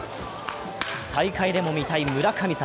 大会でも見たい村神様。